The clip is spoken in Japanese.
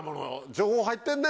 情報入ってんね。